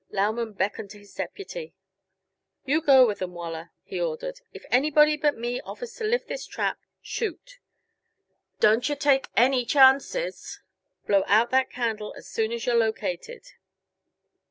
Lauman beckoned to his deputy. "You go with 'em, Waller," he ordered. "If anybody but me offers to lift this trap, shoot. Don't yuh take any chances. Blow out that candle soon as you're located."